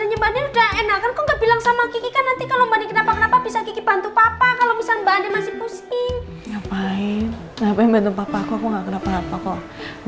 ya allah terima kasih ya allah